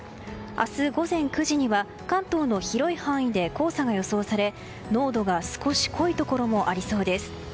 明日午前９時には関東の広い範囲で黄砂が予想され、濃度が少し濃いところもありそうです。